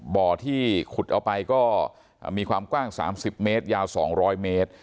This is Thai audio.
บ่อที่ขุดเอาไปก็มีความกว้าง๓๐เมตรยาว๒๐๐เมตร